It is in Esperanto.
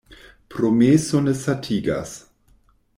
Promeso ne satigas.